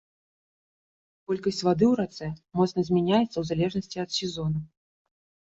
Колькасць вады ў рацэ моцна змяняецца ў залежнасці ад сезону.